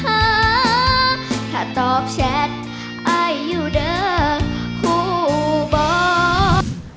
ถ้าตอบแชทอายอยู่เด้อคู่บอก